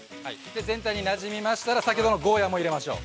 ◆全体になじみましたら先ほどのゴーヤも入れましょう。